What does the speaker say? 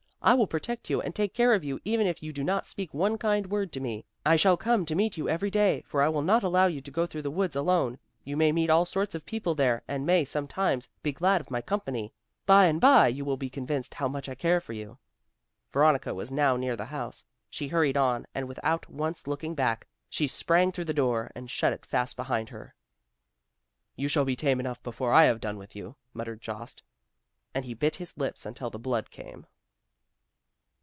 I will protect you and take care of you even if you do not speak one kind word to me. I shall come to meet you every day, for I will not allow you to go through the wood alone. You may meet all sorts of people there and may sometimes be glad of my company. Bye and bye you will be convinced how much I care for you." Veronica was now near the house. She hurried on and without once looking back, she sprang through the door and shut it fast behind her. "You shall be tame enough before I have done with you," muttered Jost, and he bit his lips until the blood came.